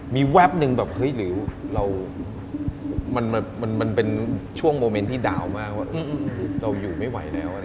มีแวบนึงแบบมันเป็นช่วงโมเมนท์ที่ดาวน์มากว่าเราอยู่ไม่ไหวแล้ว